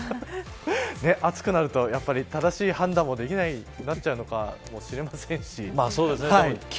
暑くなると、正しい判断もできなくなっちゃうのかもそうですね。